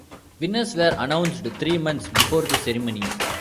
Winners were announced three months before the ceremony.